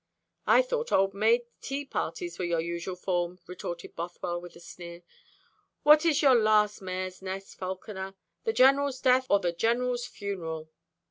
"I thought old maids' tea parties were your usual form," retorted Bothwell, with a sneer. "What is your last mare's nest, Falconer? The General's death, or the General's funeral?"